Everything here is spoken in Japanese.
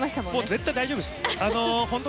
絶対に大丈夫です。